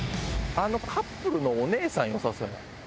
あのカップルのお姉さん良さそうやな。